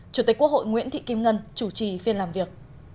chủ tịch quốc hội nguyễn thị kim ngân chủ trì phiên làm việc